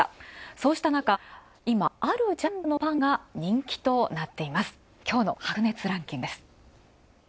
そうしたなか、今あるジャンルのパンが人気となっています。